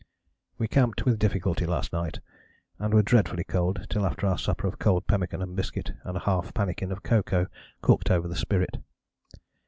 _ We camped with difficulty last night and were dreadfully cold till after our supper of cold pemmican and biscuit and a half pannikin of cocoa cooked over the spirit.